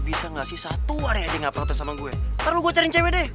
berusungin terus bisa nggak sih satu hari aja nggak protes sama gue taruh gue cari cewek deh